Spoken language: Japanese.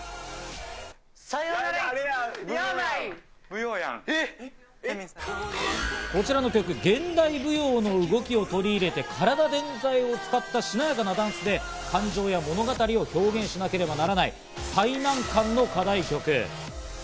感情表現が必要なバラード、こちらの曲、現代舞踊の動きを取り入れて、体全体を使ったしなやかなダンスで、感情や物語を表現しなければならない最難関の課題曲。